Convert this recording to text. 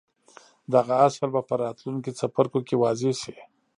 دغه اصل به په راتلونکو څپرکو کې واضح شي.